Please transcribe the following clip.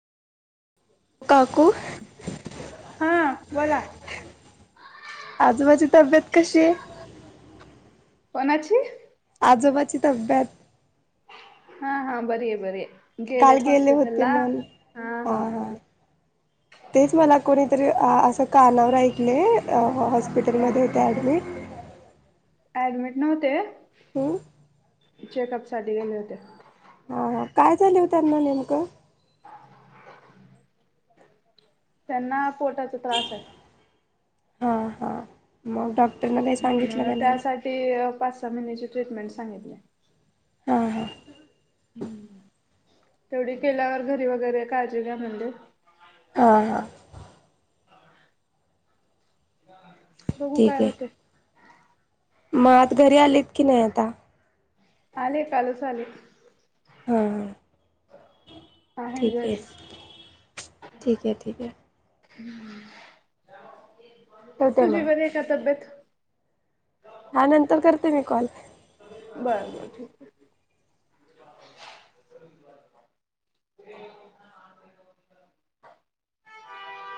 काकू हा बोला आजोबाची तब्येत कशी आहे कोणाची आजोबाची तब्येत हा हा बरी आहे बरी आहे काल गेलेत गेले होते हॉस्पिटलला मन हा हा हा तेच मला कोणीतरी असं कानावर ऐकले हॉस्पिटलमध्ये येते ॲडमिट ऍडमिट नव्हते हम्म चेकअप साठी गेले होते हा हा काय झालय ओ त्यांना नेमकं त्यांना पोटाचा त्रास आहे हा हा मग डॉ त्यासाठी पाच सहा महिन्याची ट्रीटमेंट सांगितली हा हा ह् तेवढी केल्यावर घरी वगैरे काळजी घ्या म्हणलेत हा हा बघू काय ठीक आहे होते मग आत घरी आलीत की नाही आता आले कालच आले हम ठीक आहे ठीक आहे ठीक आहे ठेवते तुझी मग बरी आहे का तब्येत हा नंतर करते मी कॉल बर बर ठीक आहे ह [inaudible]